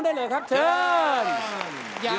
โดยสาวโสดของเรา